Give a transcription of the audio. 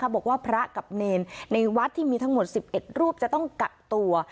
บอกว่าพระกับเนรในวัดที่มีทั้งหมด๑๑รูปจะต้องกักตัว